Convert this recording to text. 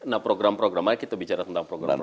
nah program program mari kita bicara tentang program program